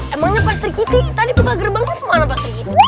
emangnya pak sri giti tadi buka gerbangnya kemana pak sri giti